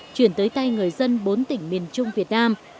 chuyển tới tay người dân bốn tỉnh miền trung việt nam